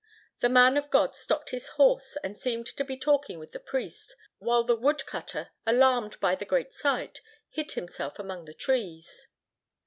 The Man of God stopped his horse and seemed to be talking with the priest, while the woodcutter, alarmed by the great sight, hid himself among the trees.